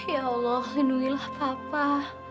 ya allah lindungilah papa